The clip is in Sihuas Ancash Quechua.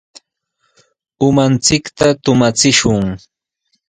Umanchikta tumachishun.